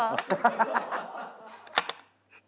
ハハハハハ！